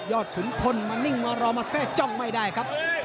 ขุนพลมานิ่งมารอมาแทรกจ้องไม่ได้ครับ